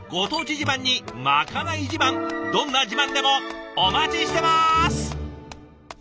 自慢にまかない自慢どんな自慢でもお待ちしてます！